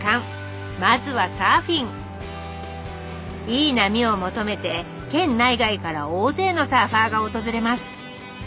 いい波を求めて県内外から大勢のサーファーが訪れます。